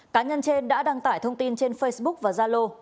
cá nhân trên đã đăng tải thông tin trên facebook và zalo